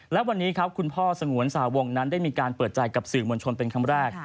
และวันนี้ครับคุณพ่อสงวนสหวงนั้นได้มีการเปิดใจกับสื่อมวลชนเป็นครั้งแรก